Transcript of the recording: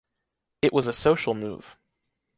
It was a social move.